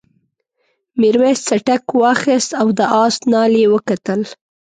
میرويس څټک واخیست او د آس نال یې وکتل.